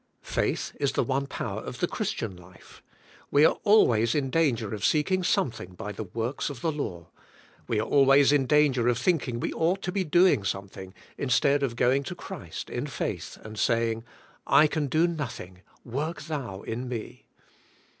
Faith is the one power of the Christian life. We are always in danger of seeking something by the works of the law. We are always in danger of thinking v/e ought to be do ing' something, instead of going to Christ, in faith, and saying, I can do nothing, work Thou in me.